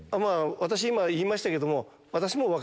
私今言いましたけども。